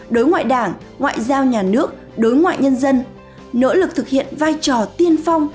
đối ngoại đảng ngoại giao nhà nước đối ngoại nhân dân nỗ lực thực hiện vai trò tiên phong